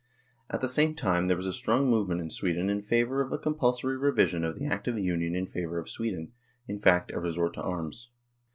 At the same time there was a strong movement in Sweden in favour of a compulsory revision of the Act of Union in favour of Sweden in fact, a resort to arms.